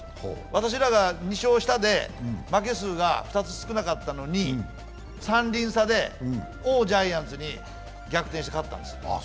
私らが２勝下で負け数が２つ少なかったのに、３厘差で、王ジャイアンツに逆転して勝ったんです。